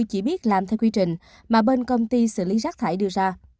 chỉ biết làm theo quy trình mà bên công ty xử lý rác thải đưa ra